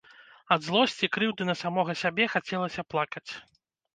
Ад злосці, крыўды на самога сябе хацелася плакаць.